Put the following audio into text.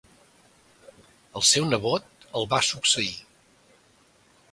El seu nebot el va succeir.